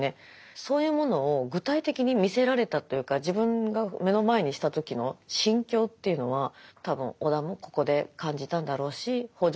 そういうものを具体的に見せられたというか自分が目の前にした時の心境というのは多分尾田もここで感じたんだろうし北條